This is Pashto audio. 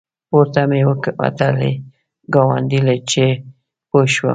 پورته مې وکتلې ګاونډی لکه چې پوه شو.